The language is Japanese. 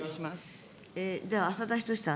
では浅田均さん